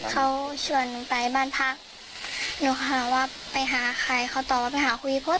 เขาชวนหนูไปบ้านพักหนูหาว่าไปหาใครเขาตอบว่าไปหาคุยเพราะ